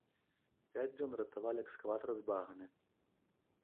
Пяць дзён ратавалі экскаватар з багны.